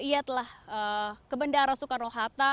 ia telah kebendara soekarno hatta